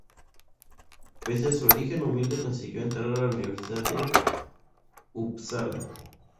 Pese a su origen humilde consiguió entrar en la Universidad de Upsala.